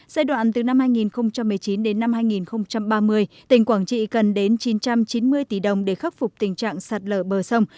giai đoạn từ năm hai nghìn một mươi chín đến năm hai nghìn ba mươi tỉnh quảng trị cần đến chín trăm chín mươi tỷ đồng để khắc phục tình trạng sạt lở bờ sông